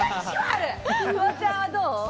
フワちゃんはどう？